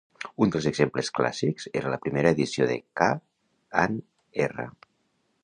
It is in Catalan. Un dels exemples clàssics era la primera edició de K and R.